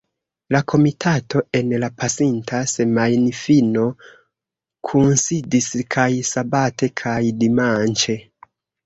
La komitato en la pasinta semajnfino kunsidis kaj sabate kaj dimanĉe.